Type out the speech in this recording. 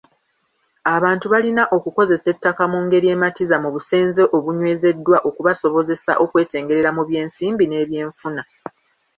Abantu balina okukozesa ettaka mu ngeri ematiza mu busenze obunywezeddwa okubasobozesa okwetengerera mu by’ensimbi n’ebyenfuna.